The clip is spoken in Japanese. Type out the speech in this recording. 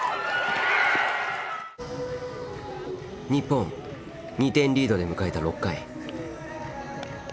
日本２点リードで迎えた６回。